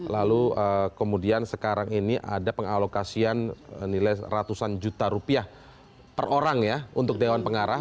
lalu kemudian sekarang ini ada pengalokasian nilai ratusan juta rupiah per orang ya untuk dewan pengarah